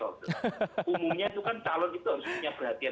umumnya itu kan calon itu harus punya perhatian